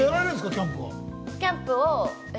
キャンプは。